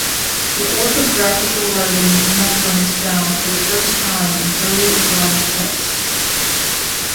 The orthographical writing Makran is found for the first time in early Islamic texts.